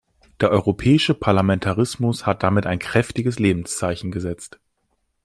Der europäische Parlamentarismus hat damit ein kräftiges Lebenszeichen gesetzt.